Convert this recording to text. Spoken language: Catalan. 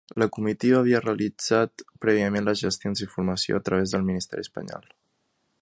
La comitiva havia realitzat prèviament les gestions d’informació a través del ministeri espanyol.